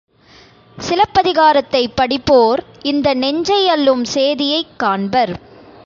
சிலப்பதிகாரத்தைப் படிப்போர், இந்த நெஞ்சை அள்ளும் சேதியைக் காண்பர்.